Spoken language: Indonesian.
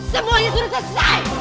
semuanya sudah selesai